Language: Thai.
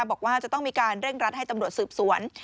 บอกว่าจะต้องมีการเร่งรัดให้ตำรวจสืบสวน